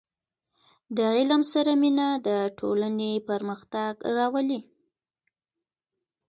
• د علم سره مینه، د ټولنې پرمختګ راولي.